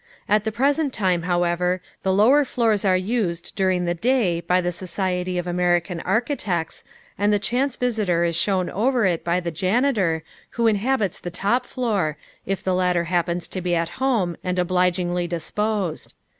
At the present time, however, the lower floors are used during the day by the Society of American Architects, and the chance visitor is shown over it by the janitor, who inhabits the top floor, if the latter happens to be at home and obligingly disposed.